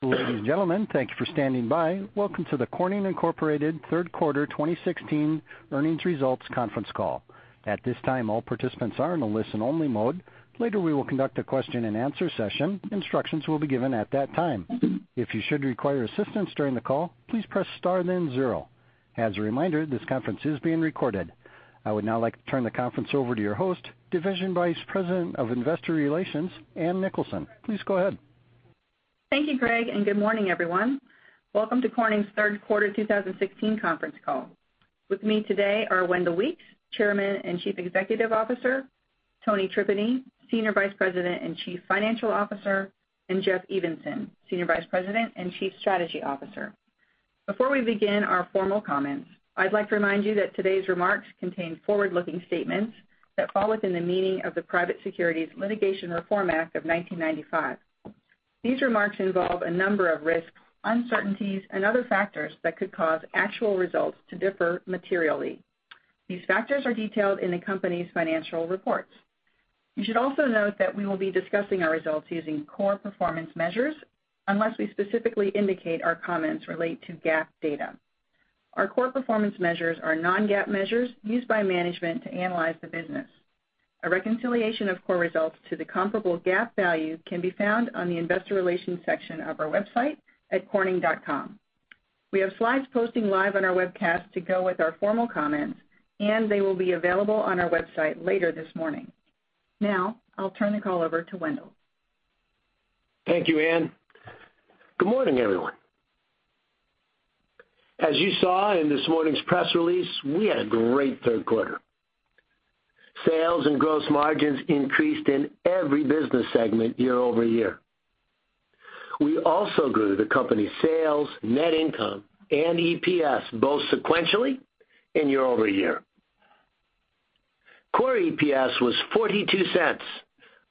Ladies and gentlemen, thank you for standing by. Welcome to the Corning Incorporated Third Quarter 2016 Earnings Results Conference Call. At this time, all participants are in a listen-only mode. Later, we will conduct a question-and-answer session. Instructions will be given at that time. If you should require assistance during the call, please press star then zero. As a reminder, this conference is being recorded. I would now like to turn the conference over to your host, Division Vice President of Investor Relations, Ann Nicholson. Please go ahead. Thank you, Greg. Good morning, everyone. Welcome to Corning's Third Quarter 2016 conference call. With me today are Wendell Weeks, Chairman and Chief Executive Officer, Tony Tripeny, Senior Vice President and Chief Financial Officer, and Jeff Evenson, Senior Vice President and Chief Strategy Officer. Before we begin our formal comments, I'd like to remind you that today's remarks contain forward-looking statements that fall within the meaning of the Private Securities Litigation Reform Act of 1995. These remarks involve a number of risks, uncertainties, and other factors that could cause actual results to differ materially. These factors are detailed in the company's financial reports. You should also note that we will be discussing our results using core performance measures, unless we specifically indicate our comments relate to GAAP data. Our core performance measures are non-GAAP measures used by management to analyze the business. A reconciliation of core results to the comparable GAAP value can be found on the investor relations section of our website at corning.com. We have slides posting live on our webcast to go with our formal comments, and they will be available on our website later this morning. Now, I'll turn the call over to Wendell. Thank you, Ann. Good morning, everyone. As you saw in this morning's press release, we had a great third quarter. Sales and gross margins increased in every business segment year-over-year. We also grew the company's sales, net income, and EPS both sequentially and year-over-year. Core EPS was $0.42,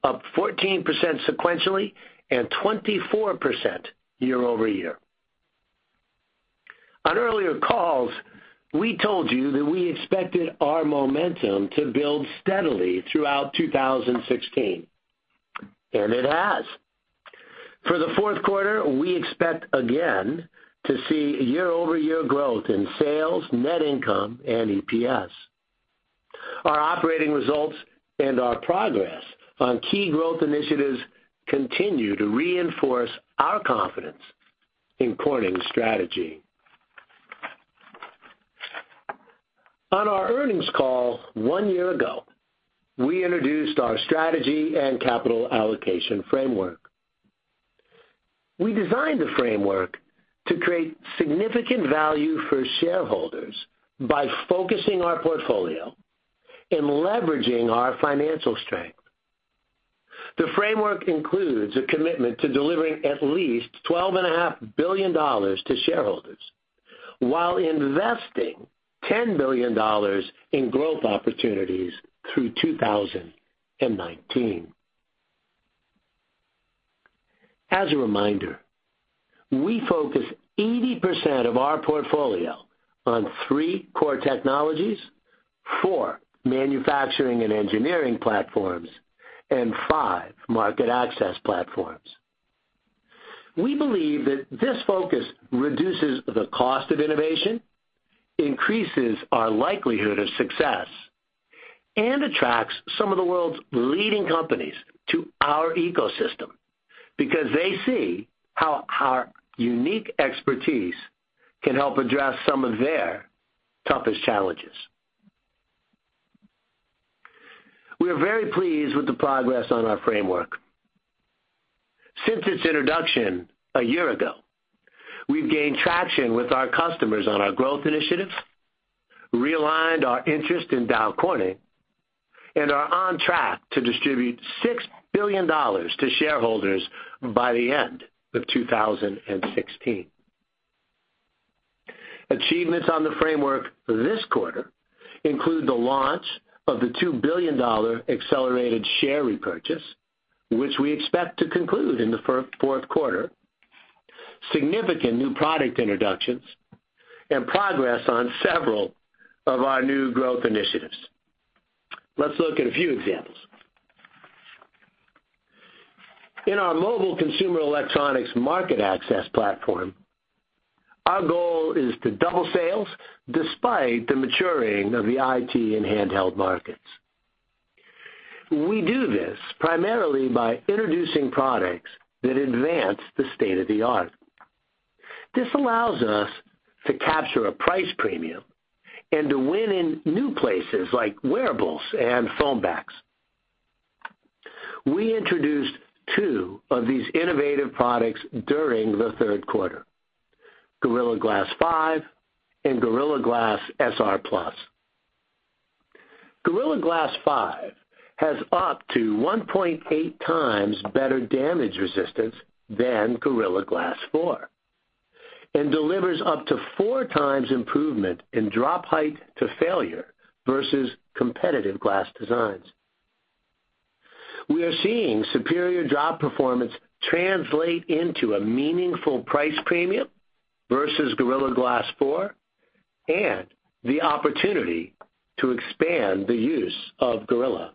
up 14% sequentially and 24% year-over-year. On earlier calls, we told you that we expected our momentum to build steadily throughout 2016. It has. For the fourth quarter, we expect again to see year-over-year growth in sales, net income and EPS. Our operating results and our progress on key growth initiatives continue to reinforce our confidence in Corning's strategy. On our earnings call one year ago, we introduced our strategy and capital allocation framework. We designed the framework to create significant value for shareholders by focusing our portfolio and leveraging our financial strength. The framework includes a commitment to delivering at least $12.5 billion to shareholders, while investing $10 billion in growth opportunities through 2019. As a reminder, we focus 80% of our portfolio on three core technologies, four manufacturing and engineering platforms, and five market access platforms. We believe that this focus reduces the cost of innovation, increases our likelihood of success, and attracts some of the world's leading companies to our ecosystem because they see how our unique expertise can help address some of their toughest challenges. We are very pleased with the progress on our framework. Since its introduction a year ago, we've gained traction with our customers on our growth initiatives, realigned our interest in Dow Corning, and are on track to distribute $6 billion to shareholders by the end of 2016. Achievements on the framework this quarter include the launch of the $2 billion accelerated share repurchase, which we expect to conclude in the fourth quarter, significant new product introductions, and progress on several of our new growth initiatives. Let's look at a few examples. In our Mobile Consumer Electronics market access platform, our goal is to double sales despite the maturing of the IT and handheld markets. We do this primarily by introducing products that advance the state-of-the-art. This allows us to capture a price premium and to win in new places like wearables and phone backs. We introduced two of these innovative products during the third quarter, Gorilla Glass 5 and Gorilla Glass SR+. Gorilla Glass 5 has up to 1.8 times better damage resistance than Gorilla Glass 4 and delivers up to four times improvement in drop height to failure versus competitive glass designs. We are seeing superior drop performance translate into a meaningful price premium versus Gorilla Glass 4 and the opportunity to expand the use of Gorilla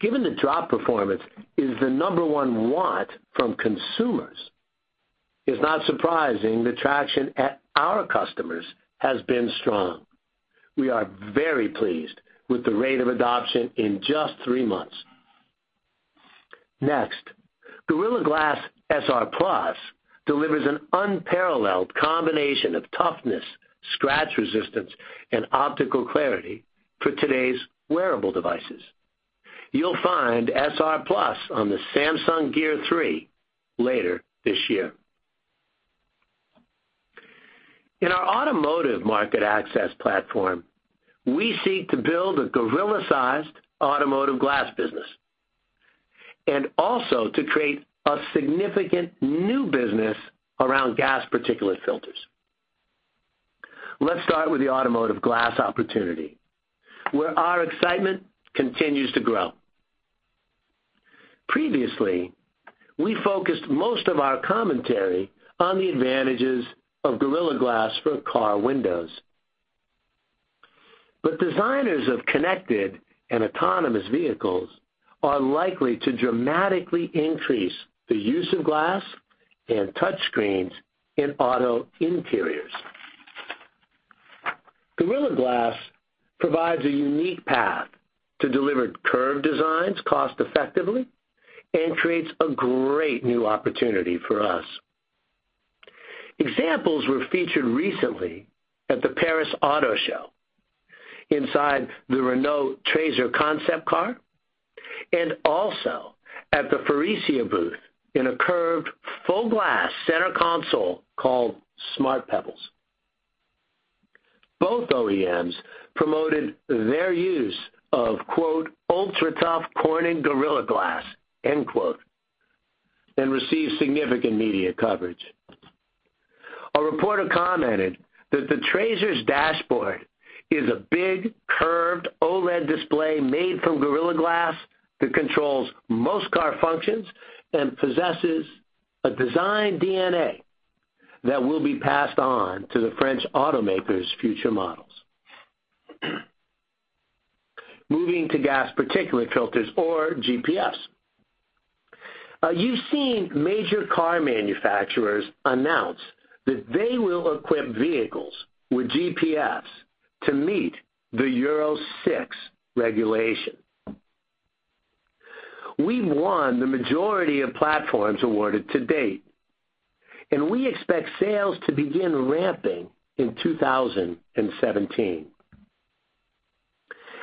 Given that drop performance is the number one want from consumers, it's not surprising the traction at our customers has been strong. We are very pleased with the rate of adoption in just three months. Next, Gorilla Glass SR+ delivers an unparalleled combination of toughness, scratch resistance, and optical clarity for today's wearable devices. You'll find SR+ on the Samsung Gear S3 later this year. In our Automotive market access platform, we seek to build a Gorilla-sized Automotive Glass business, and also to create a significant new business around gas particulate filters. Let's start with the Automotive Glass opportunity, where our excitement continues to grow. Previously, we focused most of our commentary on the advantages of Gorilla Glass for car windows. Designers of connected and autonomous vehicles are likely to dramatically increase the use of glass and touchscreens in auto interiors. Gorilla Glass provides a unique path to deliver curved designs cost effectively and creates a great new opportunity for us. Examples were featured recently at the Paris Auto Show inside the Renault Trezor concept car, and also at the Faurecia booth in a curved full glass center console called Smart Pebbles. Both OEMs promoted their use of, quote, "ultra-tough Corning Gorilla Glass," end quote, and received significant media coverage. A reporter commented that the Trezor's dashboard is a big, curved OLED display made from Gorilla Glass that controls most car functions and possesses a design DNA that will be passed on to the French automaker's future models. Moving to gas particulate filters or GPFs. You've seen major car manufacturers announce that they will equip vehicles with GPFs to meet the Euro 6 regulation. We won the majority of platforms awarded to date, and we expect sales to begin ramping in 2017.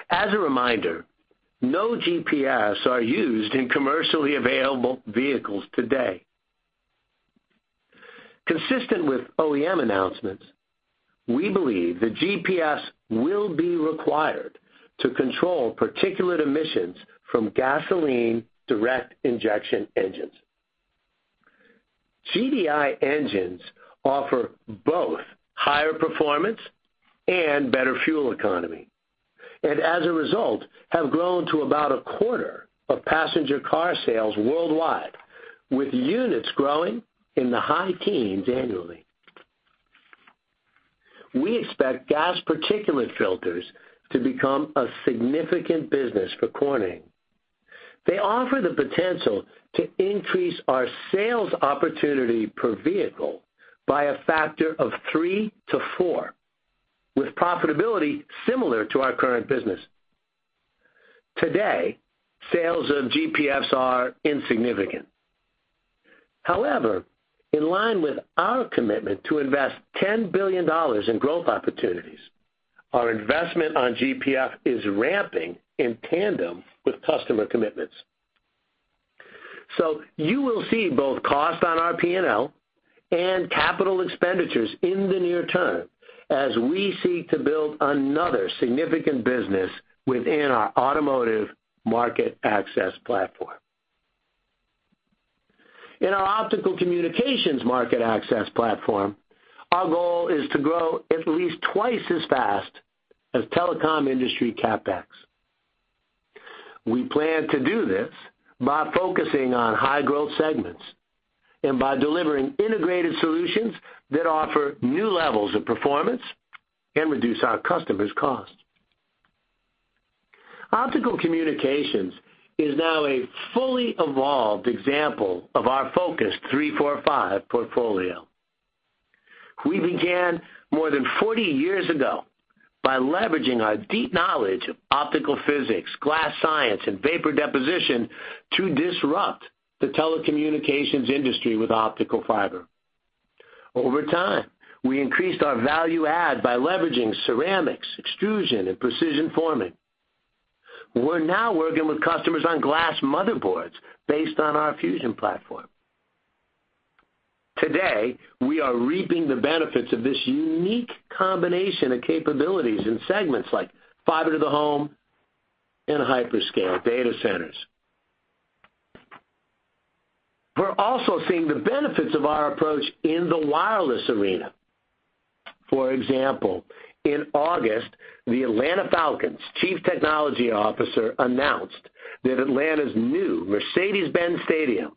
As a reminder, no GPFs are used in commercially available vehicles today. Consistent with OEM announcements, we believe the GPFs will be required to control particulate emissions from gasoline direct injection engines. GDI engines offer both higher performance and better fuel economy, and as a result, have grown to about a quarter of passenger car sales worldwide, with units growing in the high teens annually. We expect gas particulate filters to become a significant business for Corning. They offer the potential to increase our sales opportunity per vehicle by a factor of three to four, with profitability similar to our current business. Today, sales of GPFs are insignificant. In line with our commitment to invest $10 billion in growth opportunities, our investment on GPF is ramping in tandem with customer commitments. So you will see both costs on our P&L and capital expenditures in the near term as we seek to build another significant business within our automotive market access platform. In our Optical Communications market access platform, our goal is to grow at least twice as fast as telecom industry CapEx. We plan to do this by focusing on high-growth segments and by delivering integrated solutions that offer new levels of performance and reduce our customers' costs. Optical Communications is now a fully evolved example of our focused 3-4-5 portfolio. We began more than 40 years ago by leveraging our deep knowledge of optical physics, glass science, and vapor deposition to disrupt the telecommunications industry with optical fiber. Over time, we increased our value add by leveraging ceramics, extrusion, and precision forming. We're now working with customers on glass motherboards based on our FUSION platform. Today, we are reaping the benefits of this unique combination of capabilities in segments like fiber to the home and hyperscale data centers. We're also seeing the benefits of our approach in the wireless arena. For example, in August, the Atlanta Falcons' chief technology officer announced that Atlanta's new Mercedes-Benz stadium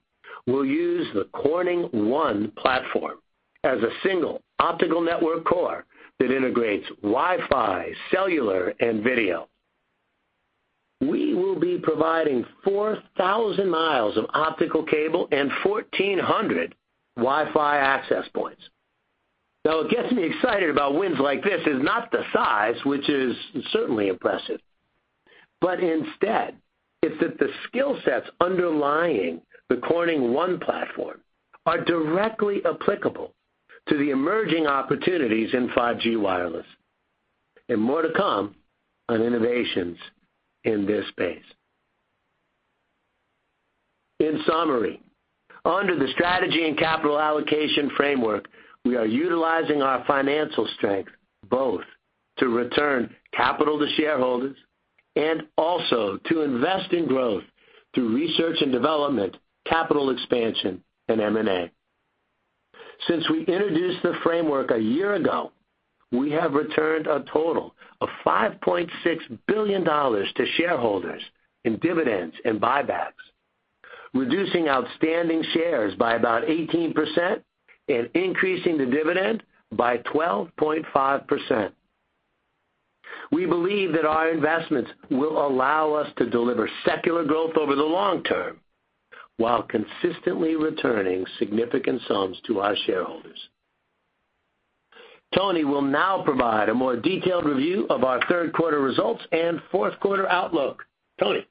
will use the Corning ONE platform as a single optical network core that integrates Wi-Fi, cellular, and video. We will be providing 4,000 miles of optical cable and 1,400 Wi-Fi access points. Now, what gets me excited about wins like this is not the size, which is certainly impressive, but instead, it's that the skill sets underlying the Corning ONE platform are directly applicable to the emerging opportunities in 5G wireless. More to come on innovations in this space. In summary, under the strategy and capital allocation framework, we are utilizing our financial strength both to return capital to shareholders and also to invest in growth through research and development, capital expansion and M&A. Since we introduced the framework a year ago, we have returned a total of $5.6 billion to shareholders in dividends and buybacks, reducing outstanding shares by about 18% and increasing the dividend by 12.5%. We believe that our investments will allow us to deliver secular growth over the long term while consistently returning significant sums to our shareholders. Tony will now provide a more detailed review of our third quarter results and fourth quarter outlook. Tony?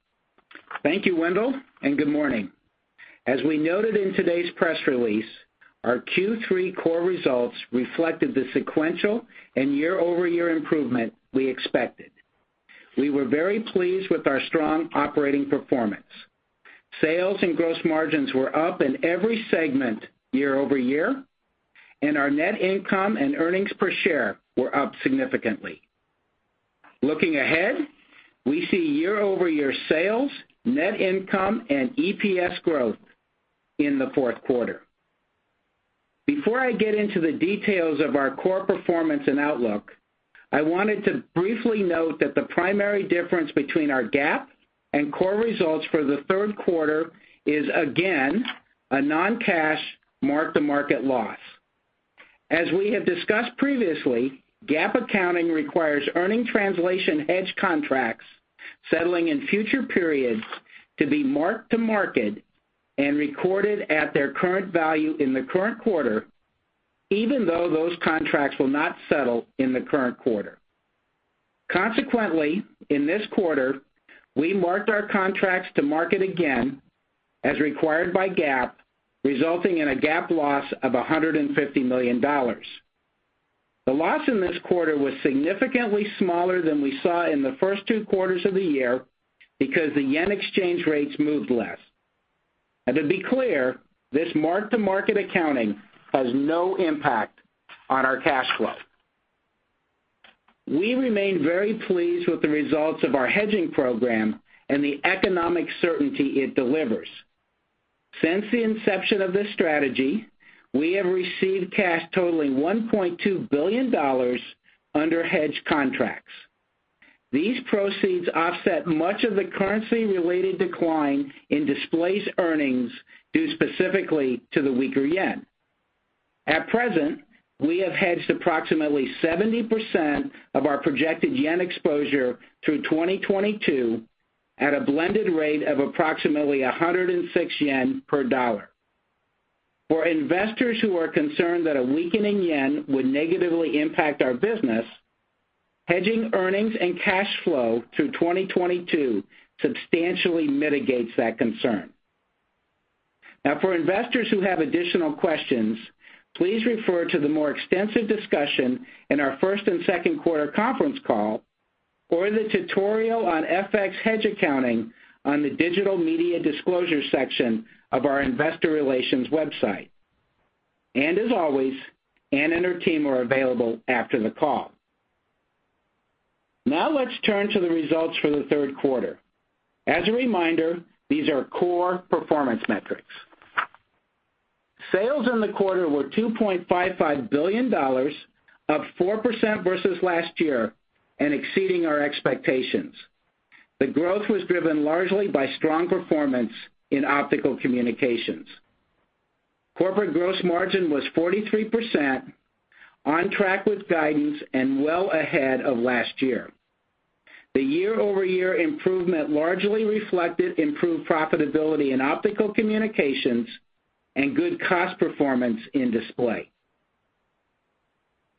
Thank you, Wendell, and good morning. As we noted in today's press release, our Q3 core results reflected the sequential and year-over-year improvement we expected. We were very pleased with our strong operating performance. Sales and gross margins were up in every segment year-over-year, and our net income and earnings per share were up significantly. Looking ahead, we see year-over-year sales, net income, and EPS growth in the fourth quarter. Before I get into the details of our core performance and outlook, I wanted to briefly note that the primary difference between our GAAP and core results for the third quarter is, again, a non-cash mark-to-market loss. As we have discussed previously, GAAP accounting requires earning translation hedge contracts settling in future periods to be market to market and recorded at their current value in the current quarter, even though those contracts will not settle in the current quarter. Consequently, in this quarter, we marked our contracts to market again, as required by GAAP, resulting in a GAAP loss of $150 million. The loss in this quarter was significantly smaller than we saw in the first two quarters of the year because the yen exchange rates moved less. To be clear, this mark-to-market accounting has no impact on our cash flow. We remain very pleased with the results of our hedging program and the economic certainty it delivers. Since the inception of this strategy, we have received cash totaling $1.2 billion under hedge contracts. These proceeds offset much of the currency-related decline in displaced earnings due specifically to the weaker yen. At present, we have hedged approximately 70% of our projected yen exposure through 2022 at a blended rate of approximately 106 yen per dollar. For investors who are concerned that a weakening yen would negatively impact our business, hedging earnings and cash flow through 2022 substantially mitigates that concern. For investors who have additional questions, please refer to the more extensive discussion in our first and second quarter conference call or the tutorial on FX hedge accounting on the digital media disclosure section of our investor relations website. As always, Ann and her team are available after the call. Let's turn to the results for the third quarter. As a reminder, these are core performance metrics. Sales in the quarter were $2.55 billion, up 4% versus last year and exceeding our expectations. The growth was driven largely by strong performance in Optical Communications. Corporate gross margin was 43%, on track with guidance and well ahead of last year. The year-over-year improvement largely reflected improved profitability in Optical Communications and good cost performance in Display.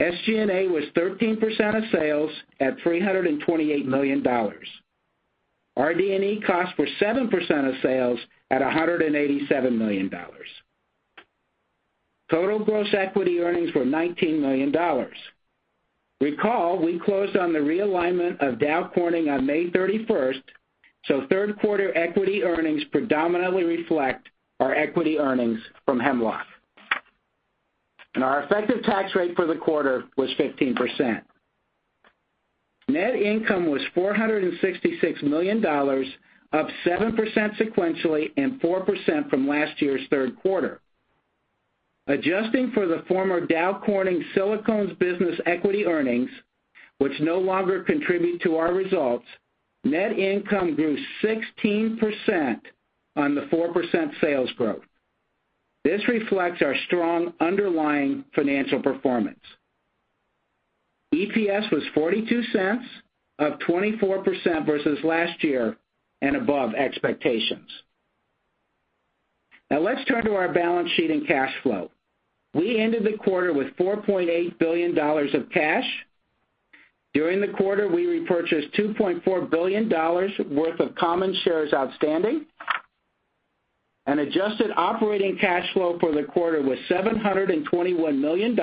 SG&A was 13% of sales at $328 million. RD&E costs were 7% of sales at $187 million. Total gross equity earnings were $19 million. Recall, we closed on the realignment of Dow Corning on May 31st, so third quarter equity earnings predominantly reflect our equity earnings from Hemlock. Our effective tax rate for the quarter was 15%. Net income was $466 million, up 7% sequentially and 4% from last year's third quarter. Adjusting for the former Dow Corning Silicones business equity earnings, which no longer contribute to our results, net income grew 16% on the 4% sales growth. This reflects our strong underlying financial performance. EPS was $0.42, up 24% versus last year, and above expectations. Let's turn to our balance sheet and cash flow. We ended the quarter with $4.8 billion of cash. During the quarter, we repurchased $2.4 billion worth of common shares outstanding. Adjusted operating cash flow for the quarter was $721 million,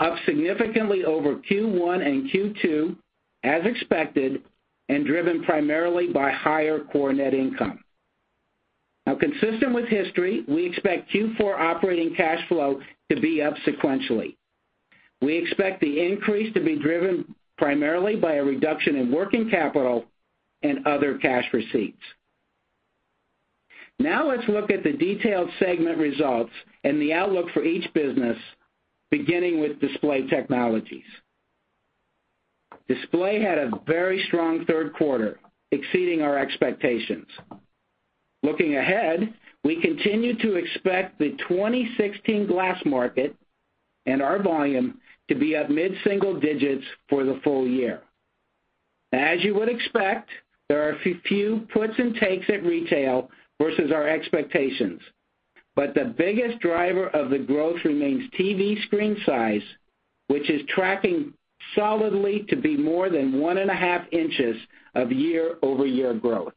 up significantly over Q1 and Q2 as expected, and driven primarily by higher core net income. Consistent with history, we expect Q4 operating cash flow to be up sequentially. We expect the increase to be driven primarily by a reduction in working capital and other cash receipts. Let's look at the detailed segment results and the outlook for each business, beginning with Display Technologies. Display had a very strong third quarter, exceeding our expectations. Looking ahead, we continue to expect the 2016 glass market and our volume to be up mid-single digits for the full year. As you would expect, there are a few puts and takes at retail versus our expectations, but the biggest driver of the growth remains TV screen size, which is tracking solidly to be more than one and a half inches of year-over-year growth.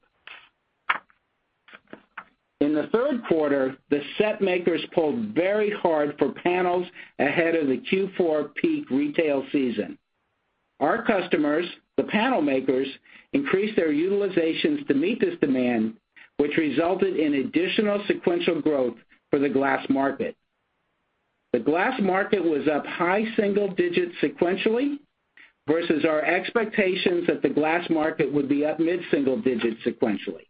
In the third quarter, the set makers pulled very hard for panels ahead of the Q4 peak retail season. Our customers, the panel makers, increased their utilizations to meet this demand, which resulted in additional sequential growth for the glass market. The glass market was up high single digits sequentially, versus our expectations that the glass market would be up mid-single digits sequentially.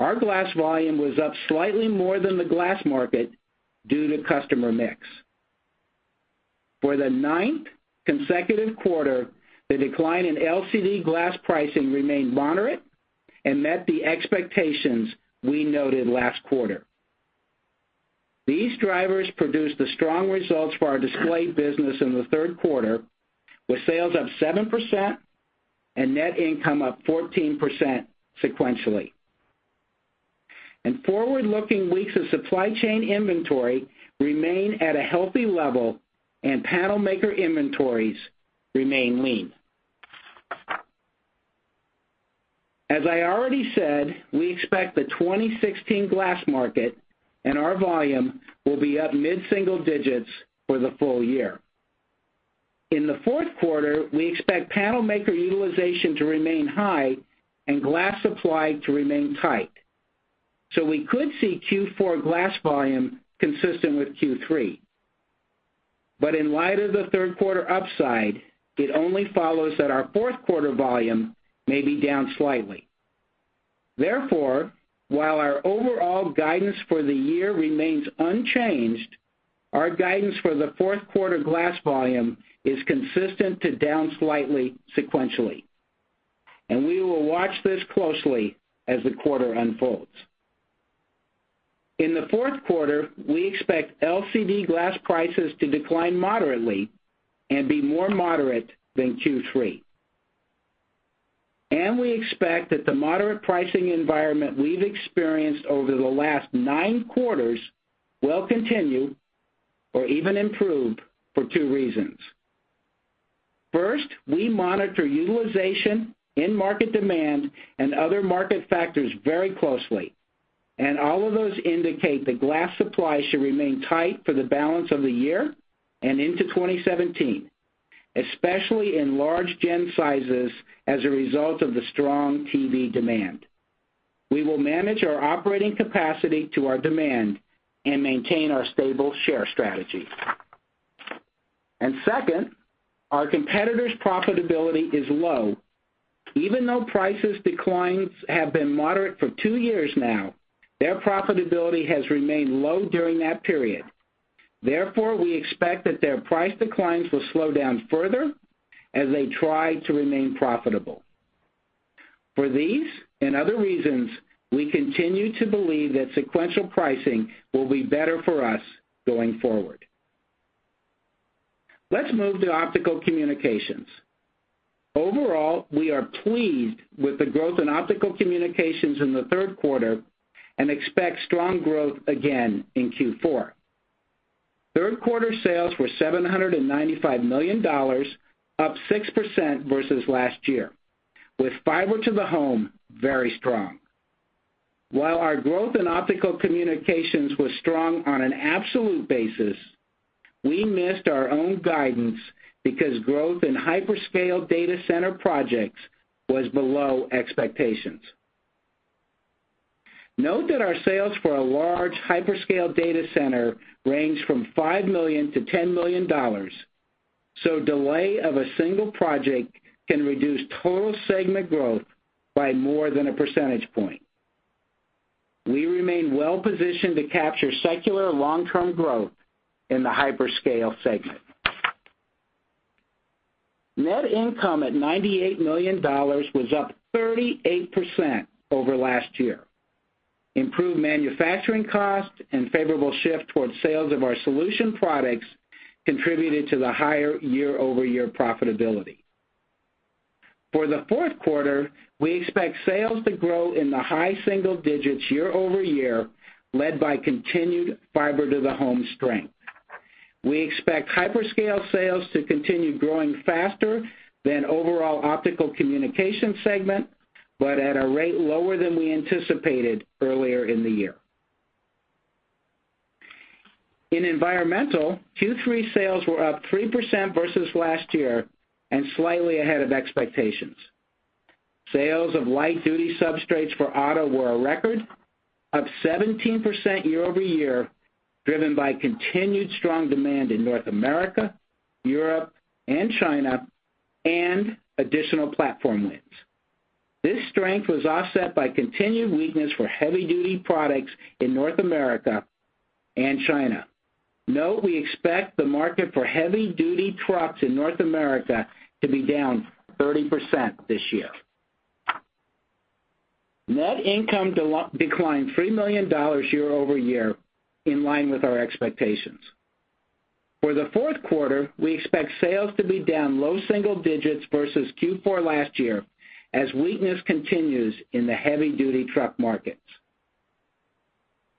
Our glass volume was up slightly more than the glass market due to customer mix. For the ninth consecutive quarter, the decline in LCD glass pricing remained moderate and met the expectations we noted last quarter. These drivers produced the strong results for our display business in the third quarter, with sales up 7% and net income up 14% sequentially. Forward-looking weeks of supply chain inventory remain at a healthy level, and panel maker inventories remain lean. As I already said, we expect the 2016 glass market and our volume will be up mid-single digits for the full year. In the fourth quarter, we expect panel maker utilization to remain high and glass supply to remain tight. We could see Q4 glass volume consistent with Q3. In light of the third quarter upside, it only follows that our fourth quarter volume may be down slightly. Therefore, while our overall guidance for the year remains unchanged, our guidance for the fourth quarter glass volume is consistent to down slightly sequentially. We will watch this closely as the quarter unfolds. In the fourth quarter, we expect LCD glass prices to decline moderately and be more moderate than Q3. We expect that the moderate pricing environment we've experienced over the last nine quarters will continue or even improve for two reasons. First, we monitor utilization in market demand and other market factors very closely, and all of those indicate that glass supply should remain tight for the balance of the year and into 2017, especially in large gen sizes as a result of the strong TV demand. We will manage our operating capacity to our demand and maintain our stable share strategy. Second, our competitors' profitability is low. Even though price declines have been moderate for two years now, their profitability has remained low during that period. Therefore, we expect that their price declines will slow down further as they try to remain profitable. For these and other reasons, we continue to believe that sequential pricing will be better for us going forward. Let's move to Optical Communications. Overall, we are pleased with the growth in Optical Communications in the third quarter and expect strong growth again in Q4. Third quarter sales were $795 million, up 6% versus last year, with fiber to the home very strong. While our growth in Optical Communications was strong on an absolute basis, we missed our own guidance because growth in hyperscale data centers projects was below expectations. Note that our sales for a large hyperscale data center range from $5 million-$10 million. So delay of a single project can reduce total segment growth by more than a percentage point. We remain well-positioned to capture secular long-term growth in the hyperscale segment. Net income at $98 million was up 38% year-over-year. Improved manufacturing cost and favorable shift towards sales of our solution products contributed to the higher year-over-year profitability. For the fourth quarter, we expect sales to grow in the high single digits year-over-year, led by continued fiber to the home strength. We expect hyperscale sales to continue growing faster than overall Optical Communications segment, but at a rate lower than we anticipated earlier in the year. In Environmental, Q3 sales were up 3% versus last year and slightly ahead of expectations. Sales of light-duty substrates for auto were a record, up 17% year-over-year, driven by continued strong demand in North America, Europe, and China, and additional platform wins. This strength was offset by continued weakness for heavy-duty products in North America and China. Note, we expect the market for heavy-duty trucks in North America to be down 30% this year. Net income declined $3 million year-over-year, in line with our expectations. For the fourth quarter, we expect sales to be down low single digits versus Q4 last year, as weakness continues in the heavy-duty truck markets.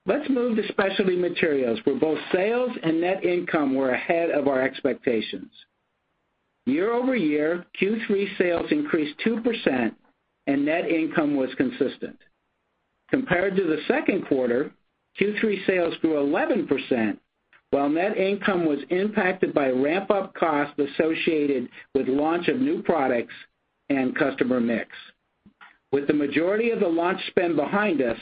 Let's move to Specialty Materials, where both sales and net income were ahead of our expectations. Year-over-year, Q3 sales increased 2% and net income was consistent. Compared to the second quarter, Q3 sales grew 11%, while net income was impacted by ramp-up costs associated with launch of new products and customer mix. With the majority of the launch spend behind us,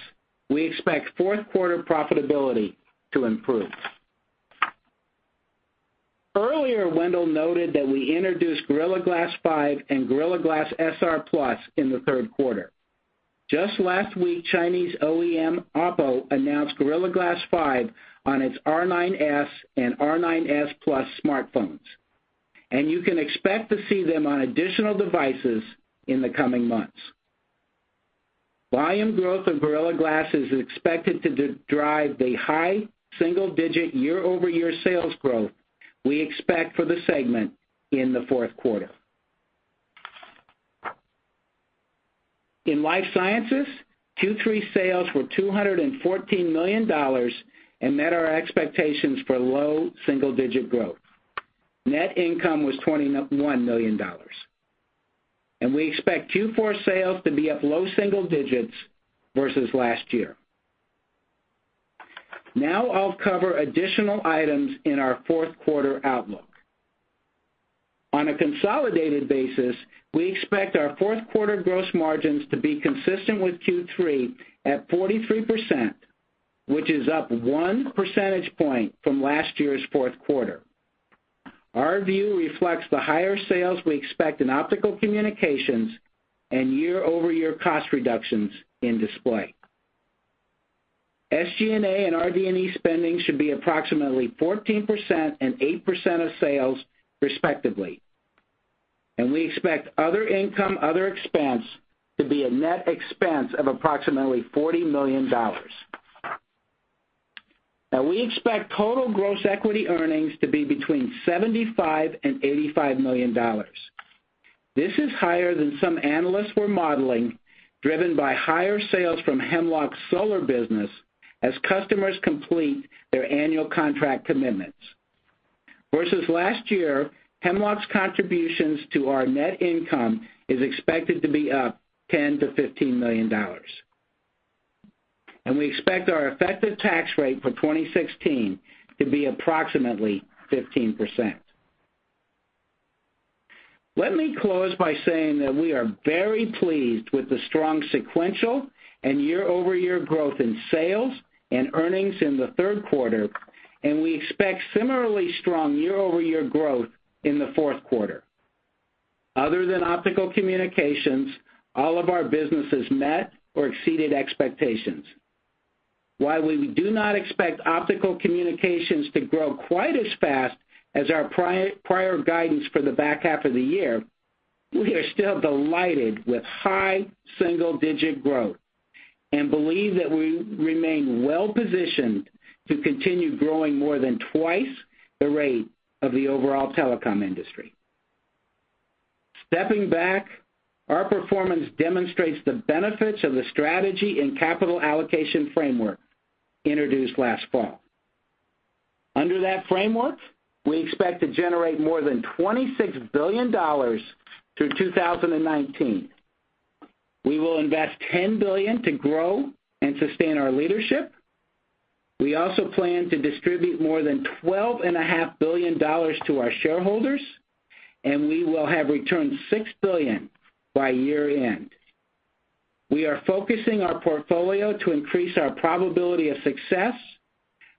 we expect fourth quarter profitability to improve. Earlier, Wendell noted that we introduced Gorilla Glass 5 and Gorilla Glass SR+ in the third quarter. Just last week, Chinese OEM OPPO announced Gorilla Glass 5 on its R9s and R9s Plus smartphones, and you can expect to see them on additional devices in the coming months. Volume growth of Gorilla Glass is expected to drive a high single-digit year-over-year sales growth we expect for the segment in the fourth quarter. In Life Sciences, Q3 sales were $214 million and met our expectations for low single-digit growth. Net income was $21 million. I'll cover additional items in our fourth quarter outlook. On a consolidated basis, we expect our fourth quarter gross margins to be consistent with Q3 at 43%, which is up one percentage point from last year's fourth quarter. Our view reflects the higher sales we expect in Optical Communications and year-over-year cost reductions in display. SG&A and RD&E spending should be approximately 14% and 8% of sales, respectively. We expect other income, other expense to be a net expense of approximately $40 million. Now we expect total gross equity earnings to be between $75 million and $85 million. This is higher than some analysts were modeling, driven by higher sales from Hemlock's solar business as customers complete their annual contract commitments. Versus last year, Hemlock's contributions to our net income is expected to be up $10 million-$15 million. We expect our effective tax rate for 2016 to be approximately 15%. Let me close by saying that we are very pleased with the strong sequential and year-over-year growth in sales and earnings in the third quarter. We expect similarly strong year-over-year growth in the fourth quarter. Other than Optical Communications, all of our businesses met or exceeded expectations. While we do not expect Optical Communications to grow quite as fast as our prior guidance for the back half of the year, we are still delighted with high single-digit growth and believe that we remain well-positioned to continue growing more than twice the rate of the overall telecom industry. Stepping back, our performance demonstrates the benefits of the strategy and capital allocation framework introduced last fall. Under that framework, we expect to generate more than $26 billion through 2019. We will invest $10 billion to grow and sustain our leadership. We also plan to distribute more than $12.5 billion to our shareholders. We will have returned $6 billion by year-end. We are focusing our portfolio to increase our probability of success,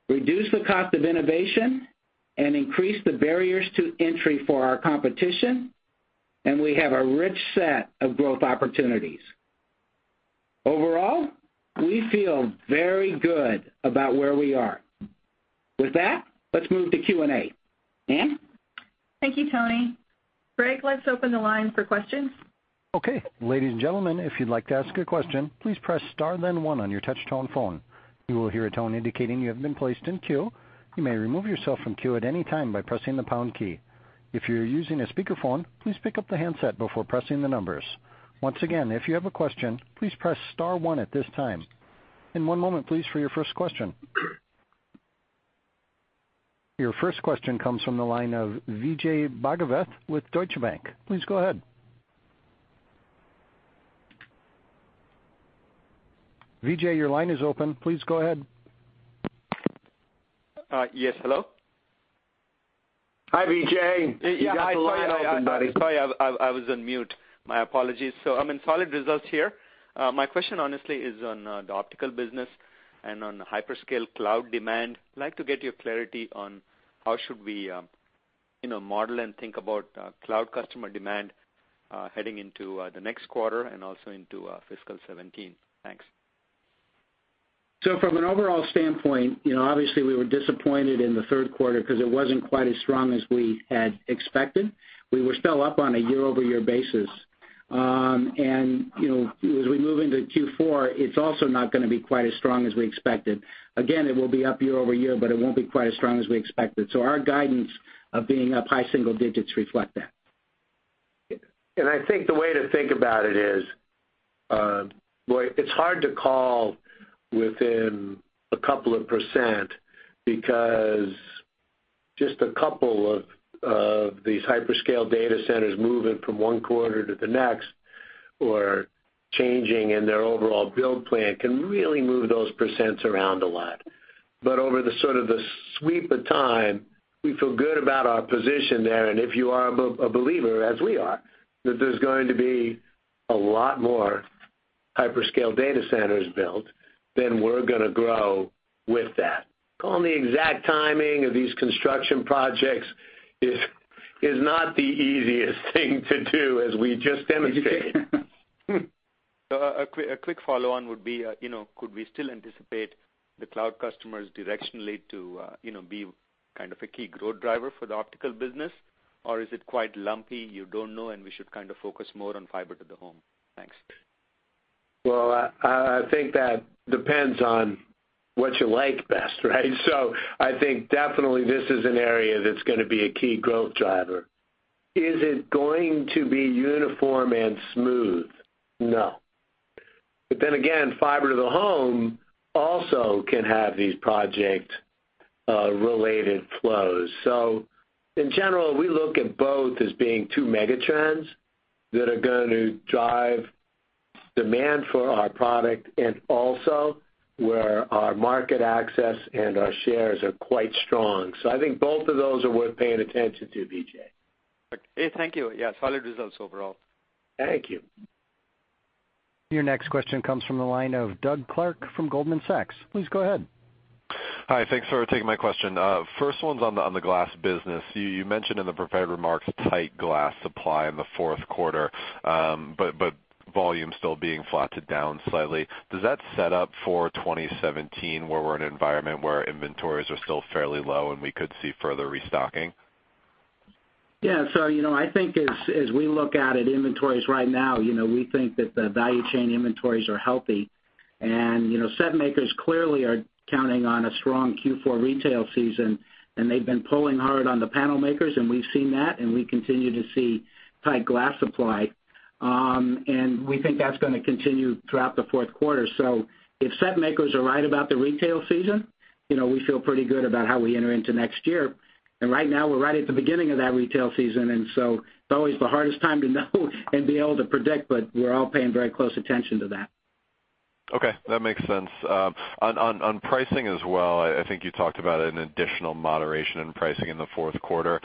reduce the cost of innovation, and increase the barriers to entry for our competition. We have a rich set of growth opportunities. Overall, we feel very good about where we are. With that, let's move to Q&A. Anne? Thank you, Tony. Greg, let's open the line for questions. Okay. Ladies and gentlemen, if you'd like to ask a question, please press star then one on your touch-tone phone. You will hear a tone indicating you have been placed in queue. You may remove yourself from queue at any time by pressing the pound key. If you're using a speakerphone, please pick up the handset before pressing the numbers. Once again, if you have a question, please press star one at this time. In one moment, please, for your first question. Your first question comes from the line of Vijay Bhagavath with Deutsche Bank. Please go ahead. Vijay, your line is open. Please go ahead. Yes. Hello? Hi, Vijay. You got the line open, buddy. Yeah. Sorry. I was on mute. My apologies. Solid results here. My question honestly is on the optical business and on the hyperscale cloud demand. I'd like to get your clarity on how should we model and think about cloud customer demand heading into the next quarter and also into fiscal 2017? Thanks. From an overall standpoint, obviously we were disappointed in the third quarter because it wasn't quite as strong as we had expected. We were still up on a year-over-year basis. As we move into Q4, it's also not going to be quite as strong as we expected. Again, it will be up year-over-year, but it won't be quite as strong as we expected. Our guidance of being up high single digits reflect that. I think the way to think about it is, well, it's hard to call within a couple of % because just a couple of these hyperscale data centers moving from one quarter to the next or changing in their overall build plan can really move those % around a lot. Over the sort of the sweep of time, we feel good about our position there, and if you are a believer, as we are, that there's going to be a lot more hyperscale data centers built, then we're going to grow with that. Calling the exact timing of these construction projects is not the easiest thing to do, as we just demonstrated. A quick follow-on would be could we still anticipate the cloud customers directionally to be kind of a key growth driver for the optical business, or is it quite lumpy, you don't know, and we should kind of focus more on fiber to the home? Thanks. Well, I think that depends on what you like best, right? I think definitely this is an area that's going to be a key growth driver. Is it going to be uniform and smooth? No. Again, fiber to the home also can have these project-related flows. In general, we look at both as being two mega trends that are going to drive demand for our product and also where our market access and our shares are quite strong. I think both of those are worth paying attention to, Vijay. Okay. Thank you. Yeah, solid results overall. Thank you. Your next question comes from the line of Doug Clark from Goldman Sachs. Please go ahead. Hi. Thanks for taking my question. First one's on the glass business. You mentioned in the prepared remarks tight glass supply in the fourth quarter, but volume still being flat to down slightly. Does that set up for 2017, where we're in an environment where inventories are still fairly low, and we could see further restocking? Yeah. I think as we look at inventories right now, we think that the value chain inventories are healthy. Set makers clearly are counting on a strong Q4 retail season, and they've been pulling hard on the panel makers, and we've seen that, and we continue to see tight glass supply. We think that's going to continue throughout the fourth quarter. If set makers are right about the retail season, we feel pretty good about how we enter into next year. Right now, we're right at the beginning of that retail season, it's always the hardest time to know and be able to predict, but we're all paying very close attention to that. Okay. That makes sense. On pricing as well, I think you talked about an additional moderation in pricing in the fourth quarter.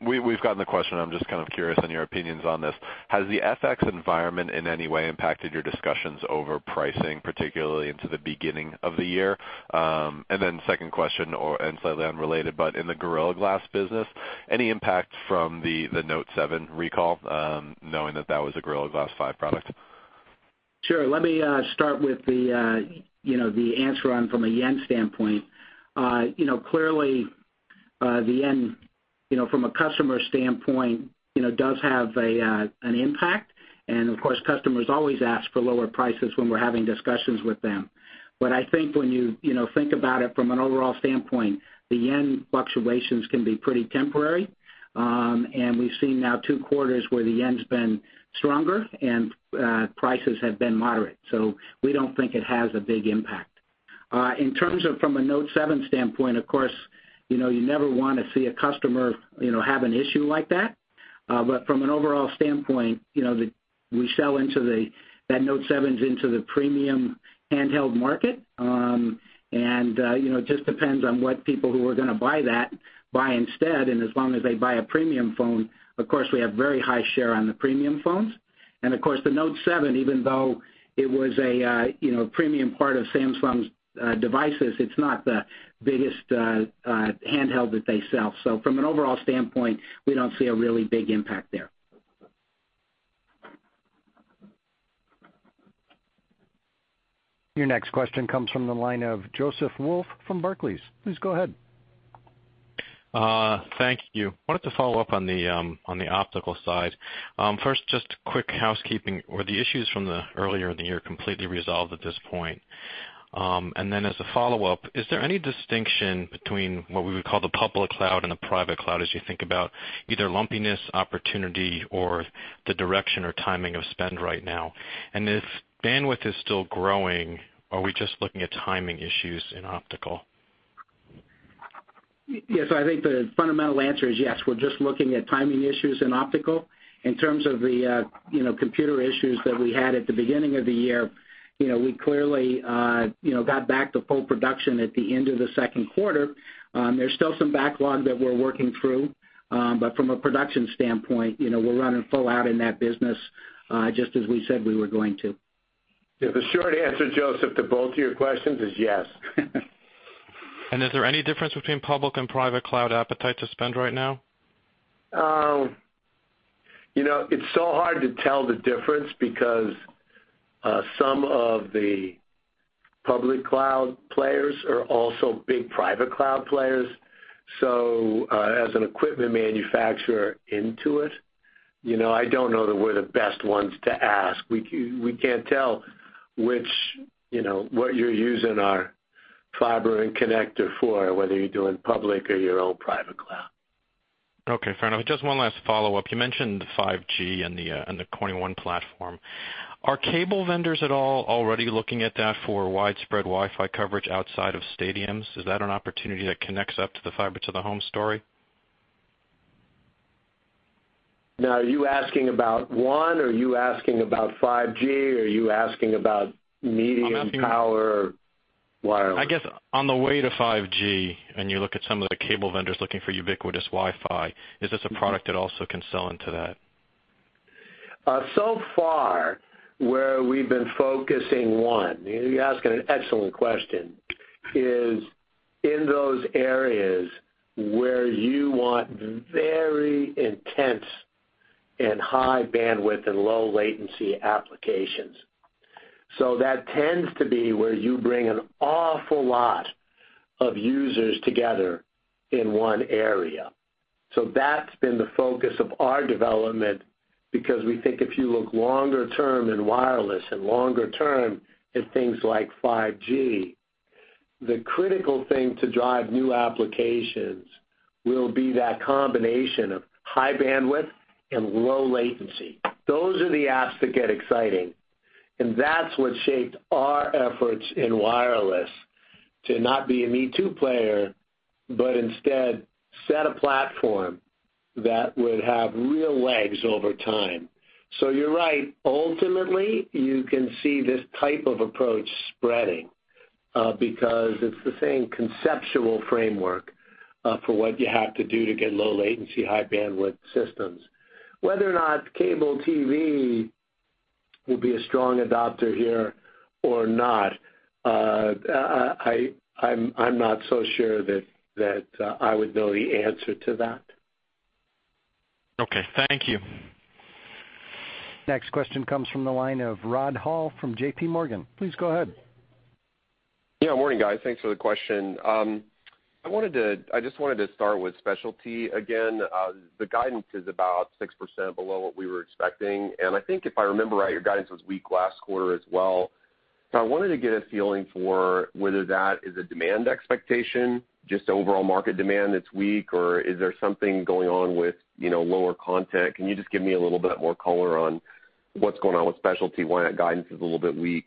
We've gotten the question, I'm just kind of curious on your opinions on this. Has the FX environment in any way impacted your discussions over pricing, particularly into the beginning of the year? Second question, and slightly unrelated, but in the Gorilla Glass business, any impact from the Note7 recall, knowing that that was a Gorilla Glass 5 product? Sure. Let me start with the answer on from a yen standpoint. Clearly, the yen, from a customer standpoint, does have an impact, and of course, customers always ask for lower prices when we're having discussions with them. I think when you think about it from an overall standpoint, the yen fluctuations can be pretty temporary, and we've seen now two quarters where the yen's been stronger and prices have been moderate. We don't think it has a big impact. In terms of from a Note7 standpoint, of course, you never want to see a customer have an issue like that. But from an overall standpoint, we sell into the Note7s into the premium handheld market. It just depends on what people who are going to buy that, buy instead. As long as they buy a premium phone, of course, we have very high share on the premium phones. Of course, the Note7, even though it was a premium part of Samsung's devices, it's not the biggest handheld that they sell. From an overall standpoint, we don't see a really big impact there. Your next question comes from the line of Joseph Wolf from Barclays. Please go ahead. Thank you. Wanted to follow up on the optical side. First, just quick housekeeping. Were the issues from the earlier in the year completely resolved at this point? Then as a follow-up, is there any distinction between what we would call the public cloud and the private cloud as you think about either lumpiness, opportunity or the direction or timing of spend right now? If bandwidth is still growing, are we just looking at timing issues in optical? Yes, I think the fundamental answer is yes. We're just looking at timing issues in optical. In terms of the computer issues that we had at the beginning of the year, we clearly got back to full production at the end of the second quarter. There's still some backlog that we're working through. From a production standpoint, we're running full out in that business, just as we said we were going to. Yeah. The short answer, Joseph, to both of your questions is yes. Is there any difference between public and private cloud appetite to spend right now? It's so hard to tell the difference because some of the public cloud players are also big private cloud players. As an equipment manufacturer into it, I don't know that we're the best ones to ask. We can't tell what you're using our fiber and connector for, whether you're doing public or your own private cloud. Okay, fair enough. Just one last follow-up. You mentioned 5G and the ONE platform. Are cable vendors at all already looking at that for widespread Wi-Fi coverage outside of stadiums? Is that an opportunity that connects up to the fiber to the home story? Are you asking about ONE, or are you asking about 5G, or are you asking about medium power wireless? I guess on the way to 5G, and you look at some of the cable vendors looking for ubiquitous Wi-Fi, is this a product that also can sell into that? Far, where we've been focusing ONE, you're asking an excellent question, is in those areas where you want very intense and high bandwidth and low latency applications. That tends to be where you bring an awful lot of users together in one area. That's been the focus of our development because we think if you look longer term in wireless and longer term at things like 5G, the critical thing to drive new applications will be that combination of high bandwidth and low latency. Those are the apps that get exciting, and that's what shaped our efforts in wireless to not be a me too player, but instead set a platform that would have real legs over time. You're right. Ultimately, you can see this type of approach spreading, because it's the same conceptual framework for what you have to do to get low latency, high bandwidth systems. Whether or not cable TV will be a strong adopter here or not, I'm not so sure that I would know the answer to that. Okay, thank you. Next question comes from the line of Rod Hall from J.P. Morgan. Please go ahead. Yeah, morning guys. Thanks for the question. I just wanted to start with Specialty again. The guidance is about 6% below what we were expecting, and I think if I remember right, your guidance was weak last quarter as well. I wanted to get a feeling for whether that is a demand expectation, just overall market demand that's weak, or is there something going on with lower content? Can you just give me a little bit more color on what's going on with Specialty, why that guidance is a little bit weak?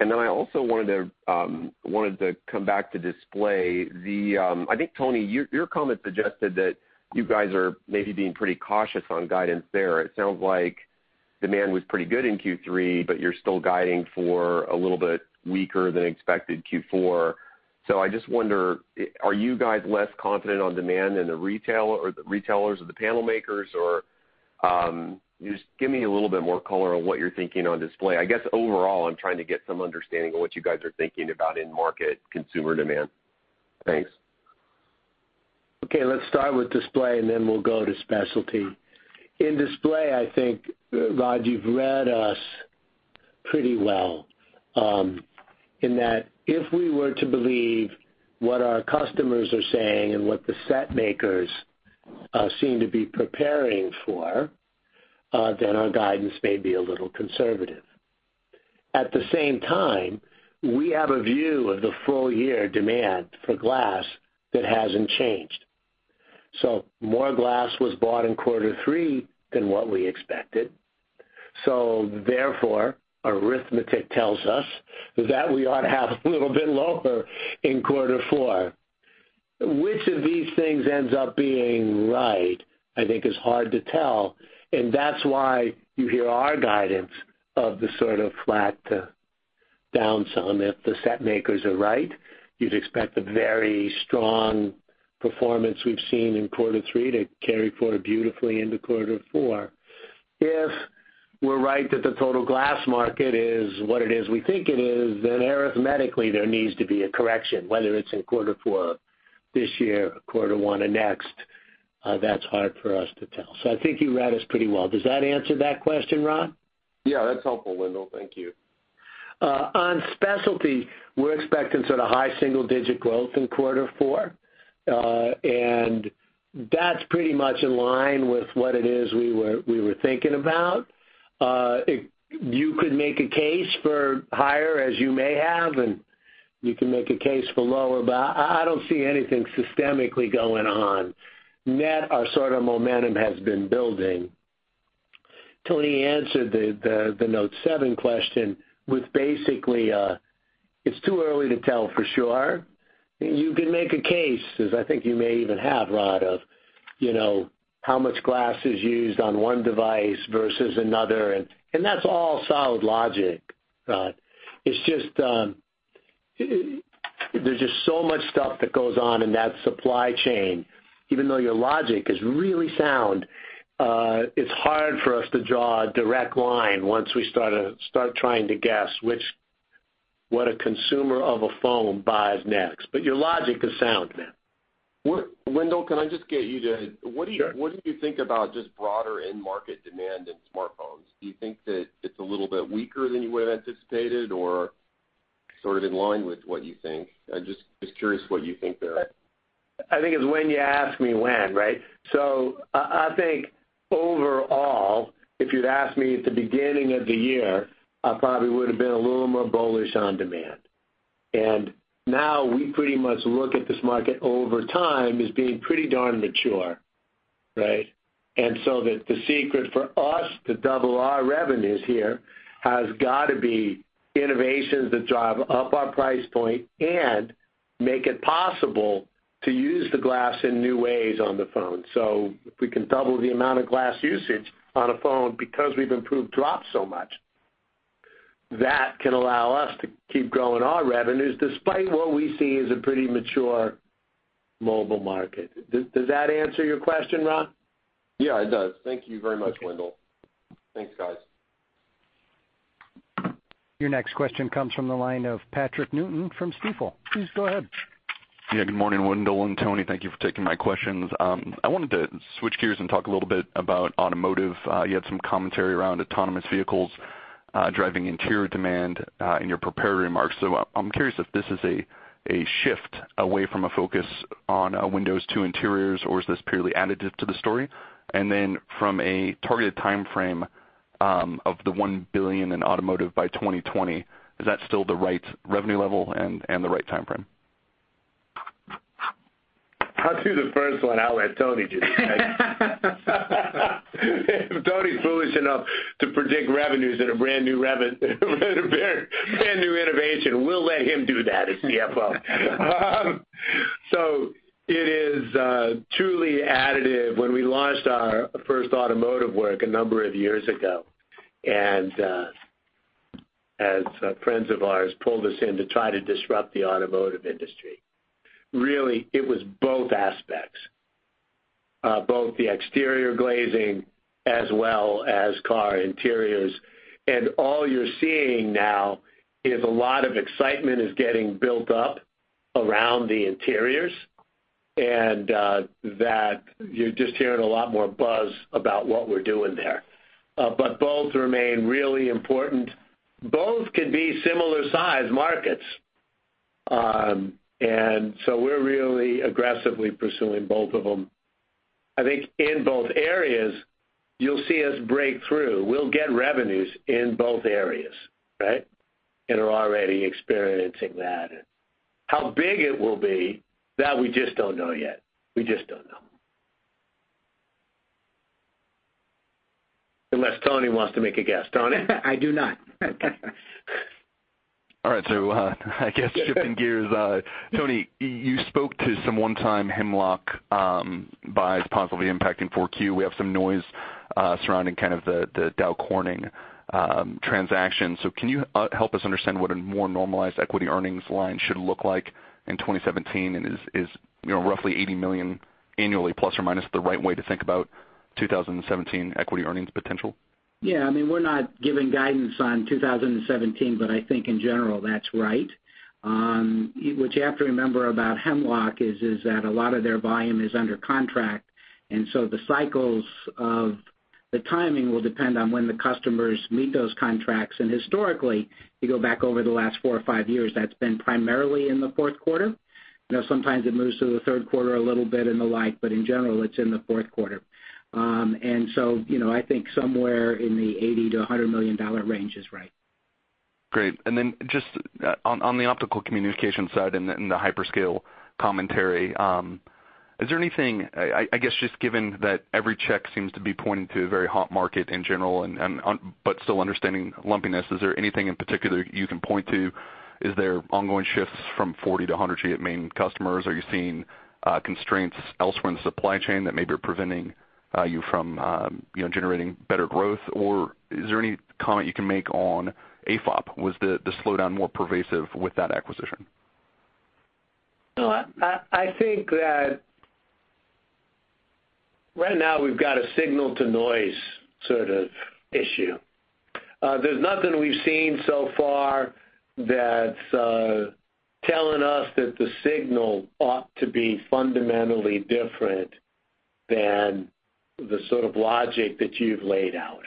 I also wanted to come back to Display. I think, Tony, your comment suggested that you guys are maybe being pretty cautious on guidance there. It sounds like demand was pretty good in Q3, but you're still guiding for a little bit weaker than expected Q4. I just wonder, are you guys less confident on demand than the retailers or the panel makers, or just give me a little bit more color on what you're thinking on Display. I guess overall, I'm trying to get some understanding of what you guys are thinking about in market consumer demand. Thanks. Okay, let's start with Display, we'll go to Specialty. In Display, I think, Rod, you've read us pretty well, in that if we were to believe what our customers are saying and what the set makers seem to be preparing for, our guidance may be a little conservative. At the same time, we have a view of the full year demand for glass that hasn't changed. More glass was bought in quarter three than what we expected. Therefore, arithmetic tells us that we ought to have a little bit lower in quarter four. Which of these things ends up being right, I think is hard to tell, and that's why you hear our guidance of the sort of flat to down some. If the set makers are right, you'd expect the very strong performance we've seen in quarter three to carry forward beautifully into quarter four. If we're right that the total glass market is what it is we think it is, then arithmetically there needs to be a correction, whether it's in quarter four this year or quarter one of next, that's hard for us to tell. I think you read us pretty well. Does that answer that question, Rod? That's helpful, Wendell. Thank you. On specialty, we're expecting sort of high single-digit growth in quarter four, that's pretty much in line with what it is we were thinking about. You could make a case for higher, as you may have, you can make a case for lower, I don't see anything systemically going on. Our sort of momentum has been building. Tony answered the Note7 question with basically, it's too early to tell for sure. You can make a case, as I think you may even have, Rod, of how much glass is used on one device versus another, that's all solid logic, Rod. There's just so much stuff that goes on in that supply chain. Even though your logic is really sound, it's hard for us to draw a direct line once we start trying to guess what a consumer of a phone buys next, your logic is sound then. Wendell, can I just get you? Sure. What do you think about just broader end market demand in smartphones? Do you think that it's a little bit weaker than you would've anticipated, or sort of in line with what you think? I'm just curious what you think there. I think it's when you ask me when, right? I think overall, if you'd asked me at the beginning of the year, I probably would've been a little more bullish on demand. Now we pretty much look at this market over time as being pretty darn mature, right? The secret for us to double our revenues here has got to be innovations that drive up our price point and make it possible to use the glass in new ways on the phone. If we can double the amount of glass usage on a phone because we've improved drop so much, that can allow us to keep growing our revenues despite what we see as a pretty mature mobile market. Does that answer your question, Rod? Yeah, it does. Thank you very much, Wendell. Okay. Thanks, guys. Your next question comes from the line of Patrick Newton from Stifel. Please go ahead. Good morning, Wendell and Tony. Thank you for taking my questions. I wanted to switch gears and talk a little bit about automotive. You had some commentary around autonomous vehicles driving interior demand in your prepared remarks. I'm curious if this is a shift away from a focus on windows to interiors, or is this purely additive to the story? Then from a targeted timeframe of the $1 billion in automotive by 2020, is that still the right revenue level and the right timeframe? I'll do the first one. I'll let Tony do the second. If Tony's foolish enough to predict revenues in a brand new innovation, we'll let him do that as CFO. It is truly additive. When we launched our first automotive work a number of years ago, as friends of ours pulled us in to try to disrupt the automotive industry, really, it was both aspects, both the exterior glazing as well as car interiors. All you're seeing now is a lot of excitement is getting built up around the interiors, and that you're just hearing a lot more buzz about what we're doing there. Both remain really important. Both could be similar size markets, we're really aggressively pursuing both of them. I think in both areas you'll see us break through. We'll get revenues in both areas, right? Are already experiencing that. How big it will be, that we just don't know yet. We just don't know. Unless Tony wants to make a guess. Tony? I do not. All right. I guess shifting gears. Tony, you spoke to some one-time Hemlock buys possibly impacting Q4. We have some noise surrounding kind of the Dow Corning transaction. Can you help us understand what a more normalized equity earnings line should look like in 2017, and is roughly $80 million annually, plus or minus, the right way to think about 2017 equity earnings potential? Yeah. I mean, we're not giving guidance on 2017, I think in general that's right. What you have to remember about Hemlock is that a lot of their volume is under contract, the cycles of the timing will depend on when the customers meet those contracts. Historically, if you go back over the last four or five years, that's been primarily in the fourth quarter. Sometimes it moves to the third quarter a little bit and the like, in general, it's in the fourth quarter. I think somewhere in the $80 million to $100 million range is right. Great. Just on the Optical Communications side and the hyperscale commentary, is there anything, I guess, just given that every check seems to be pointing to a very hot market in general, still understanding lumpiness, is there anything in particular you can point to? Is there ongoing shifts from 40G to 100G at main customers? Are you seeing constraints elsewhere in the supply chain that maybe are preventing you from generating better growth? Is there any comment you can make on AFOP? Was the slowdown more pervasive with that acquisition? No, I think that right now we've got a signal-to-noise sort of issue. There's nothing we've seen so far that's telling us that the signal ought to be fundamentally different than the sort of logic that you've laid out.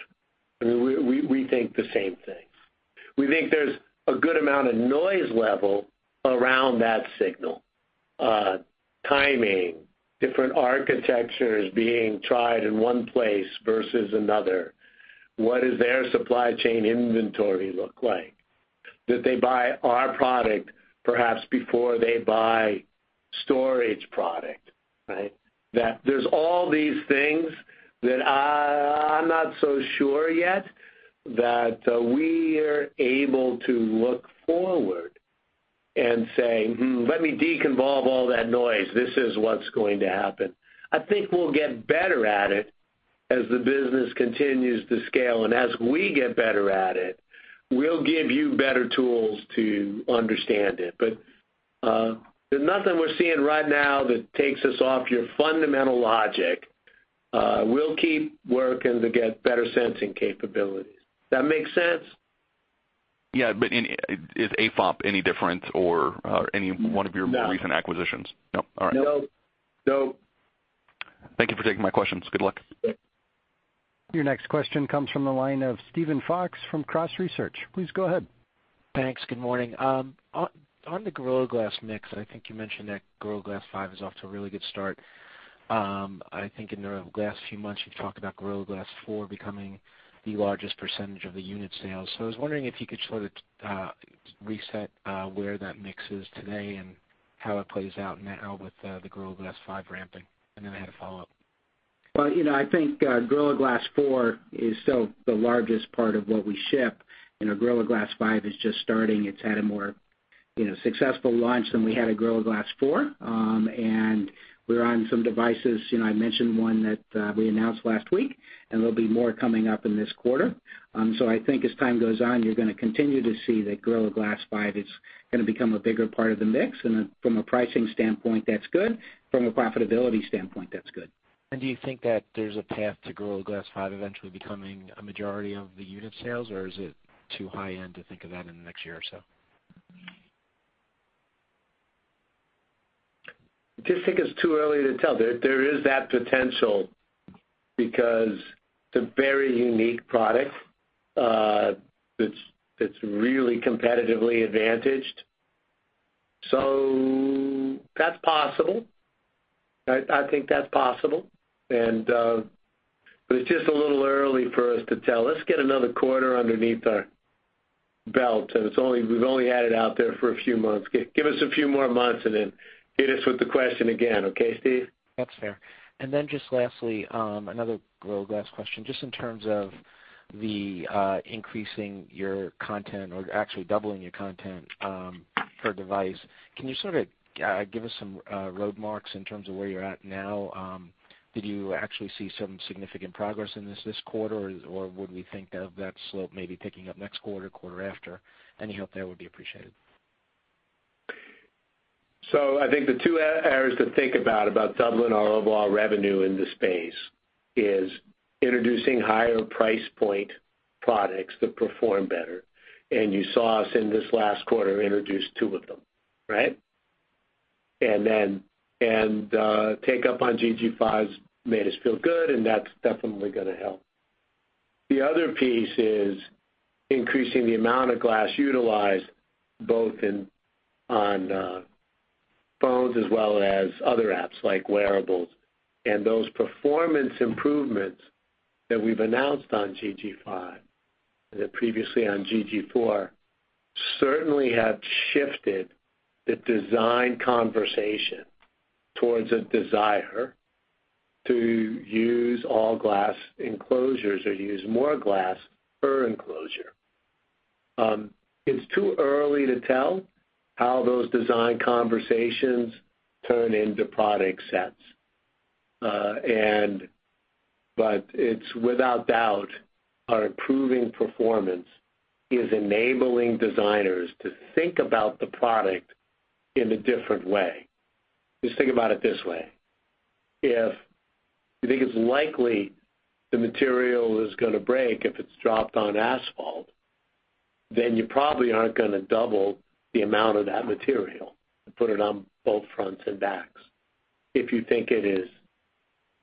I mean, we think the same things. We think there's a good amount of noise level around that signal. Timing, different architectures being tried in one place versus another. What does their supply chain inventory look like? Did they buy our product perhaps before they buy storage product, right? That there's all these things that I'm not so sure yet that we are able to look forward and say, "Hmm, let me deconvolve all that noise. This is what's going to happen." I think we'll get better at it as the business continues to scale. As we get better at it, we'll give you better tools to understand it. There's nothing we're seeing right now that takes us off your fundamental logic. We'll keep working to get better sensing capabilities. That make sense? Yeah. Is AFOP any different or any one of your more recent acquisitions? No. No. All right. No. Thank you for taking my questions. Good luck. Your next question comes from the line of Steven Fox from Cross Research. Please go ahead. Thanks. Good morning. On the Gorilla Glass mix, I think you mentioned that Gorilla Glass 5 is off to a really good start. I think in the last few months, you've talked about Gorilla Glass 4 becoming the largest percentage of the unit sales. I was wondering if you could sort of reset where that mix is today and how it plays out now with the Gorilla Glass 5 ramping. Then I had a follow-up. Well, I think Gorilla Glass 4 is still the largest part of what we ship, and Gorilla Glass 5 is just starting. It's had a more successful launch than we had at Gorilla Glass 4. We're on some devices, I mentioned one that we announced last week, and there'll be more coming up in this quarter. I think as time goes on, you're going to continue to see that Gorilla Glass 5 is going to become a bigger part of the mix. From a pricing standpoint, that's good. From a profitability standpoint, that's good. Do you think that there's a path to Gorilla Glass 5 eventually becoming a majority of the unit sales, or is it too high-end to think of that in the next year or so? Just think it's too early to tell. There is that potential because it's a very unique product, that's really competitively advantaged. That's possible. I think that's possible. It's just a little early for us to tell. Let's get another quarter underneath our belt, and we've only had it out there for a few months. Give us a few more months and then hit us with the question again. Okay, Steve? That's fair. Just lastly, another Gorilla Glass question, just in terms of the increasing your content or actually doubling your content per device. Can you sort of give us some road marks in terms of where you're at now? Did you actually see some significant progress in this this quarter, or would we think of that slope maybe picking up next quarter after? Any help there would be appreciated. I think the two areas to think about doubling our overall revenue in this space is introducing higher price point products that perform better. You saw us in this last quarter introduce two of them, right? Take up on GG5 has made us feel good, and that's definitely going to help. The other piece is increasing the amount of glass utilized, both on phones as well as other apps, like wearables. Those performance improvements that we've announced on GG5, and previously on GG4, certainly have shifted the design conversation towards a desire to use all glass enclosures or use more glass per enclosure. It's too early to tell how those design conversations turn into product sets. It's without doubt, our improving performance is enabling designers to think about the product in a different way. Just think about it this way. If you think it's likely the material is going to break if it's dropped on asphalt, then you probably aren't going to double the amount of that material and put it on both fronts and backs. If you think it is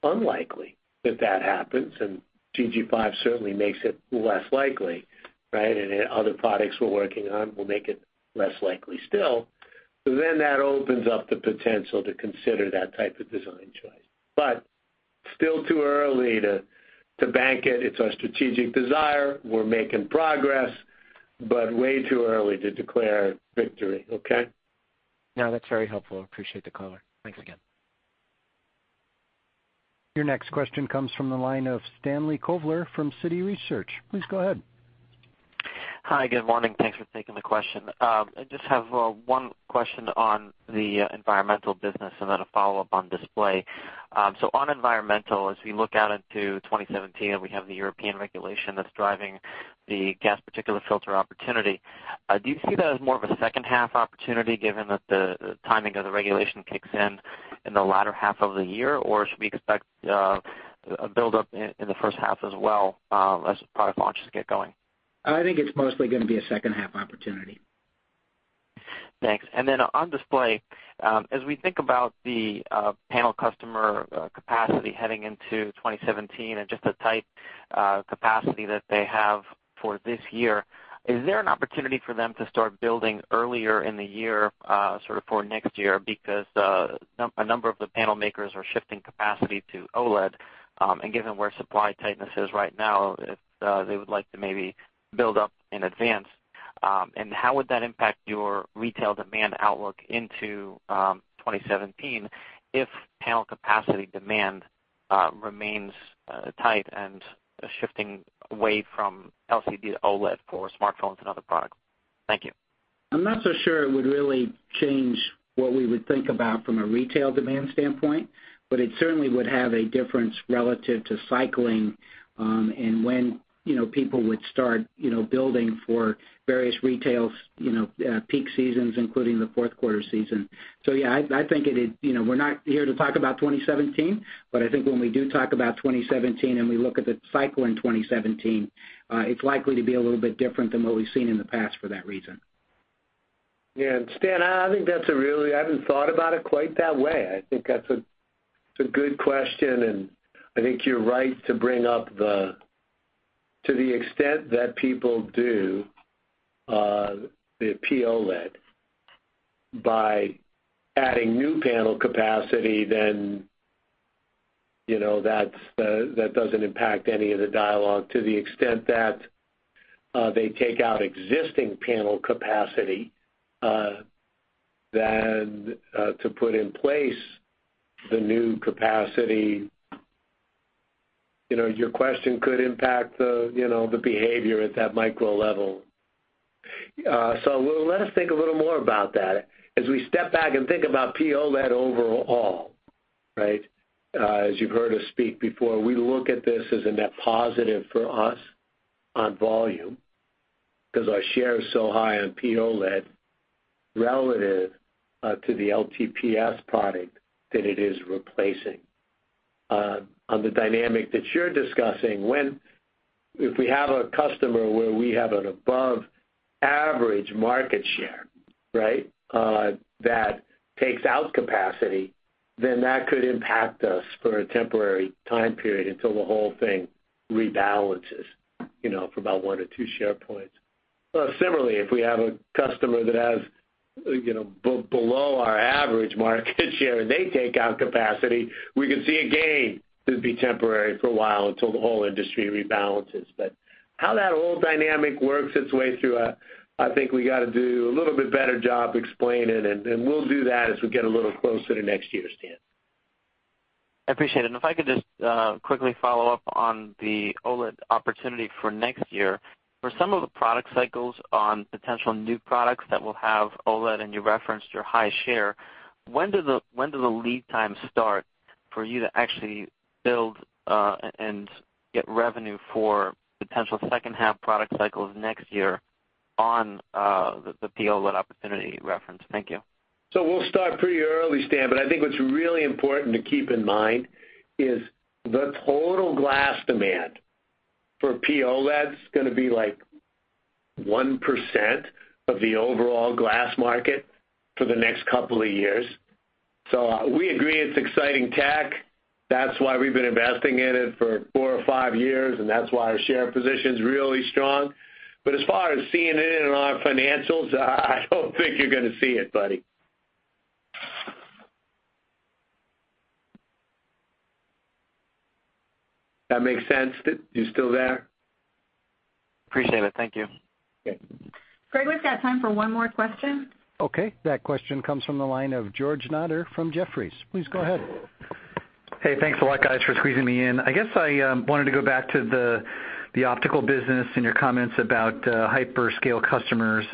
unlikely that that happens, and GG5 certainly makes it less likely, right, and other products we're working on will make it less likely still, then that opens up the potential to consider that type of design choice. Still too early to bank it. It's our strategic desire. We're making progress, but way too early to declare victory. Okay? No, that's very helpful. Appreciate the color. Thanks again. Your next question comes from the line of Stanley Kovler from Citi Research. Please go ahead. Hi. Good morning. Thanks for taking the question. I just have one question on the Environmental Technologies business and then a follow-up on Display Technologies. On Environmental Technologies, as we look out into 2017 and we have the Euro 6 regulation that's driving the gasoline particulate filter opportunity, do you see that as more of a second half opportunity given that the timing of the regulation kicks in the latter half of the year? Or should we expect a buildup in the first half as well, as product launches get going? I think it's mostly going to be a second half opportunity. Thanks. On Display Technologies, as we think about the panel customer capacity heading into 2017 and just the tight capacity that they have for this year, is there an opportunity for them to start building earlier in the year sort of for next year? Because a number of the panel makers are shifting capacity to OLED, and given where supply tightness is right now, they would like to maybe build up in advance. How would that impact your retail demand outlook into 2017 if panel capacity demand remains tight and shifting away from LCD to OLED for smartphones and other products? Thank you. I'm not so sure it would really change what we would think about from a retail demand standpoint, but it certainly would have a difference relative to cycling, and when people would start building for various retails, peak seasons, including the fourth quarter season. Yeah, we're not here to talk about 2017, but I think when we do talk about 2017, and we look at the cycle in 2017, it's likely to be a little bit different than what we've seen in the past for that reason. Yeah. Stan, I haven't thought about it quite that way. I think that's a good question, and I think you're right to bring up the, to the extent that people do, the P-OLED, by adding new panel capacity, then that doesn't impact any of the dialogue to the extent that they take out existing panel capacity, than to put in place the new capacity. Your question could impact the behavior at that micro level. Let us think a little more about that. As we step back and think about P-OLED overall, right? As you've heard us speak before, we look at this as a net positive for us on volume, because our share is so high on P-OLED relative to the LTPS product that it is replacing. On the dynamic that you're discussing, if we have a customer where we have an above-average market share that takes out capacity, then that could impact us for a temporary time period until the whole thing rebalances for about one or two share points. Similarly, if we have a customer that has below our average market share and they take out capacity, we could see a gain that would be temporary for a while until the whole industry rebalances. How that whole dynamic works its way through, I think we got to do a little bit better job explaining, and we'll do that as we get a little closer to next year, Stan. I appreciate it. If I could just quickly follow up on the OLED opportunity for next year. For some of the product cycles on potential new products that will have OLED, and you referenced your high share, when do the lead times start for you to actually build, and get revenue for potential second half product cycles next year on the P-OLED opportunity reference? Thank you. We'll start pretty early, Stan, but I think what's really important to keep in mind is the total glass demand for P-OLEDs going to be like 1% of the overall glass market for the next couple of years. We agree it's exciting tech. That's why we've been investing in it for four or five years, and that's why our share position's really strong. As far as seeing it in our financials, I don't think you're going to see it, buddy. That make sense? You still there? Appreciate it. Thank you. Okay. Craig, we've got time for one more question. Okay. That question comes from the line of George Notter from Jefferies. Please go ahead. Hey, thanks a lot guys for squeezing me in. I guess I wanted to go back to the optical business and your comments about hyperscale customers.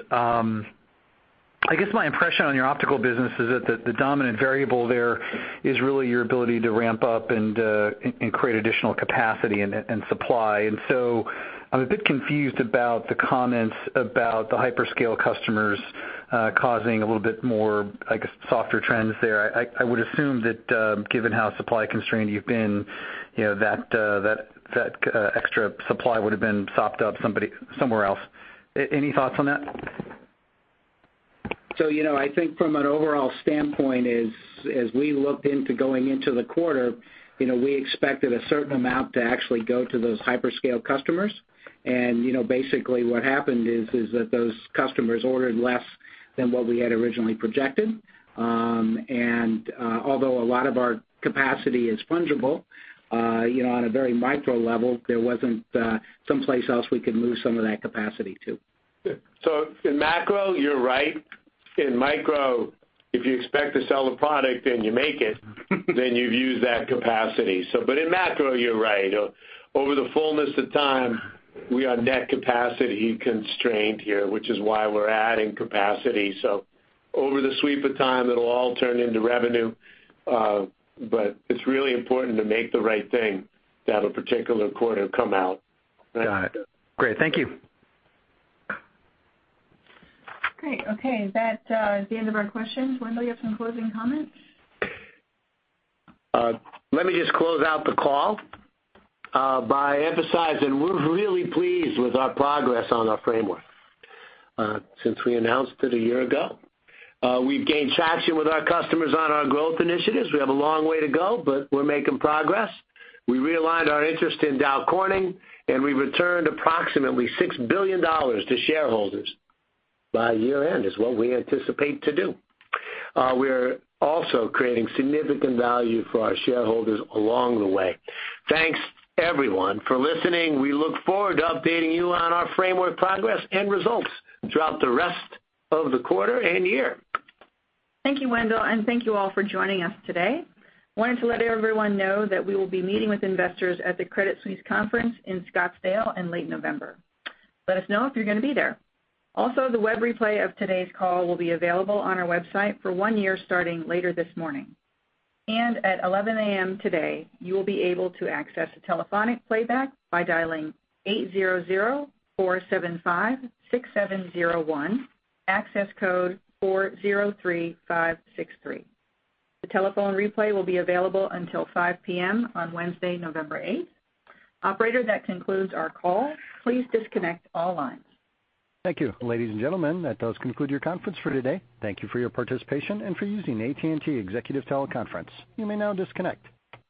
I guess my impression on your optical business is that the dominant variable there is really your ability to ramp up and create additional capacity and supply. I'm a bit confused about the comments about the hyperscale customers causing a little bit more, I guess, softer trends there. I would assume that, given how supply-constrained you've been, that extra supply would've been sopped up somewhere else. Any thoughts on that? I think from an overall standpoint, as we looked into going into the quarter, we expected a certain amount to actually go to those hyperscale customers. Basically what happened is that those customers ordered less than what we had originally projected. Although a lot of our capacity is fungible, on a very micro level, there wasn't someplace else we could move some of that capacity to. In macro, you're right. In micro, if you expect to sell a product and you make it, you've used that capacity. In macro, you're right. Over the fullness of time, we are net capacity constrained here, which is why we're adding capacity. Over the sweep of time, it'll all turn into revenue. It's really important to make the right thing to have a particular quarter come out. Got it. Great. Thank you. Great. Okay. That is the end of our questions. Wendell, you have some closing comments? Let me just close out the call by emphasizing we're really pleased with our progress on our framework since we announced it a year ago. We've gained traction with our customers on our growth initiatives. We have a long way to go, but we're making progress. We realigned our interest in Dow Corning, we returned approximately $6 billion to shareholders by year-end, is what we anticipate to do. We're also creating significant value for our shareholders along the way. Thanks, everyone, for listening. We look forward to updating you on our framework progress and results throughout the rest of the quarter and year. Thank you, Wendell, and thank you all for joining us today. Wanted to let everyone know that we will be meeting with investors at the Credit Suisse conference in Scottsdale in late November. Let us know if you're going to be there. Also, the web replay of today's call will be available on our website for one year starting later this morning. At 11:00 A.M. today, you will be able to access the telephonic playback by dialing 800-475-6701, access code 403563. The telephone replay will be available until 5:00 P.M. on Wednesday, November 8th. Operator, that concludes our call. Please disconnect all lines. Thank you. Ladies and gentlemen, that does conclude your conference for today. Thank you for your participation and for using AT&T Executive Teleconference. You may now disconnect.